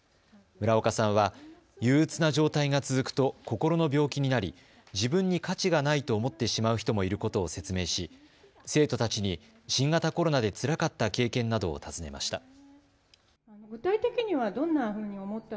夢ら丘さんは憂うつな状態が続くと心の病気になり自分に価値がないと思ってしまう人もいることを説明し、生徒たちに新型コロナでつらかった経験などを尋ねました。